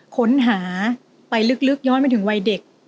ค้นหาไปลึกย้อนไปถึงวัยเด็ก